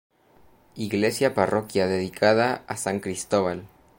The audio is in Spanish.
Iglesia parroquia dedicada a San Cristóbal.